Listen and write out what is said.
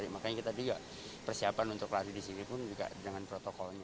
makanya kita juga persiapan untuk lari di sini pun juga dengan protokolnya